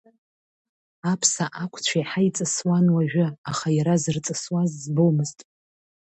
Аԥса ақәцә иаҳа иҵысуан уажәы, аха иара зырҵысуаз збомызт.